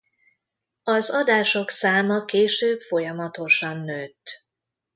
Az adások száma később folyamatosan nőtt.